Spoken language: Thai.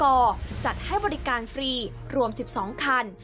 จัดให้บริการฟรีรวม๑๒คัน